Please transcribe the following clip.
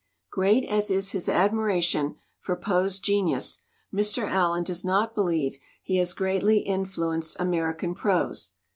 Great as is his admiration for Poe's genius, Mr. Allen does not believe he has greatly influenced American prose.